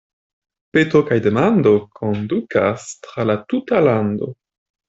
Peto kaj demando kondukas tra la tuta lando.